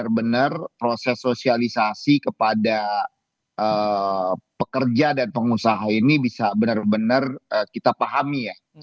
benar benar proses sosialisasi kepada pekerja dan pengusaha ini bisa benar benar kita pahami ya